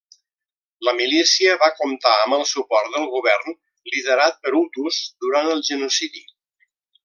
La milícia va comptar amb el suport del govern liderat per hutus durant el genocidi.